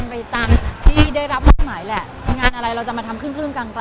ไม่ได้มาทุกวันเลยเลยเราจะมาทำคึ่งต่าง